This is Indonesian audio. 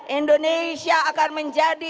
indonesia akan menjadi